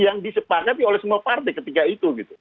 yang disepakati oleh semua partai ketika itu